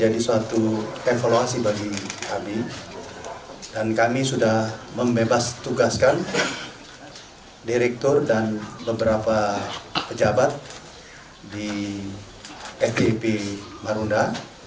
dan kami sudah membebas tugaskan direktur dan beberapa pejabat di ftp marunda